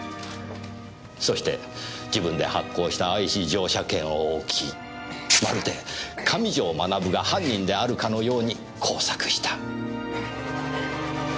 そして自分で発行したＩＣ乗車券を置きまるで上条学が犯人であるかのように工作した。